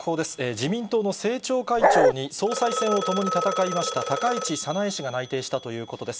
自民党の政調会長に、総裁選を共に戦いました、高市早苗氏が内定したということです。